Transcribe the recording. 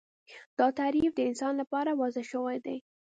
دا تعریف د انسان لپاره وضع شوی دی